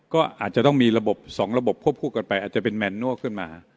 ก็อาจจะต้องมีระบบ๒ระบบควบคู่กันไปอาจจะเป็นแมนนัวขึ้นมา